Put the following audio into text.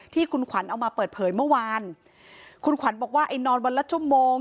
ที่คุณขวัญเอามาเปิดเผยเมื่อวานคุณขวัญบอกว่าไอ้นอนวันละชั่วโมง